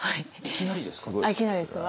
いきなりですか？